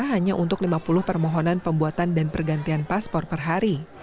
hanya untuk lima puluh permohonan pembuatan dan pergantian paspor per hari